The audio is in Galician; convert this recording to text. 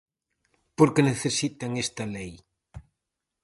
¿Por que necesitan esta lei?